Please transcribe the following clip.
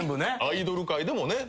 アイドル界でもね。